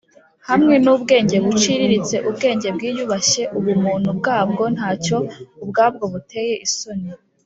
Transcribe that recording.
hamwe n'ubwenge buciriritse: ubwenge bwiyubashye, ubuntu bwabwo ntacyo ubwabwo buteye isoni